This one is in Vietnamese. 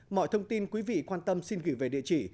mọi thông tin quý vị quan tâm xin gửi về địa chỉ